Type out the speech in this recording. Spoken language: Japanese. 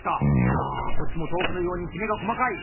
ああこっちも豆腐のようにきめが細かい。